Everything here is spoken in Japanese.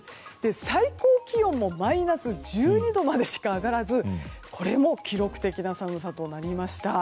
最高気温もマイナス１２度までしか上がらずこれも記録的な寒さとなりました。